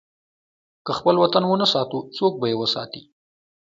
که خپل وطن ونه ساتو، څوک به یې وساتي؟